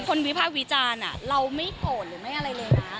วิภาควิจารณ์เราไม่โกรธหรือไม่อะไรเลยนะ